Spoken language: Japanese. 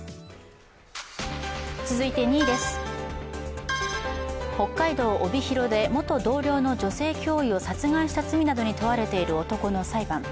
続いて２位です、北海道・帯広で元同僚の女性教諭を殺害した罪などに問われている男の裁判。